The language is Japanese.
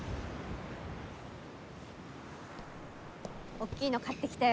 おっきいの買ってきたよ。